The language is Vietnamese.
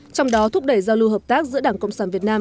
trong đó thúc đẩy giao lưu hợp tác giữa đảng cộng sản việt nam